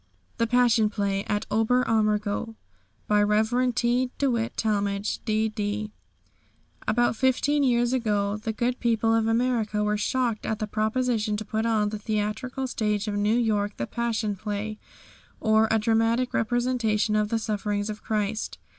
THE PASSION PLAY AT OBER AMMERGAU By Rev. T. DeWitt Talmage, D.D. About fifteen years ago the good people of America were shocked at the proposition to put on the theatrical stage of New York the Passion Play, or a dramatic representation of the sufferings of Christ.